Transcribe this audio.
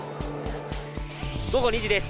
午後２時です。